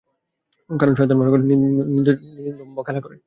কারণ, শয়তান আদম সন্তানের নিতম্ব নিয়ে খেলা করে।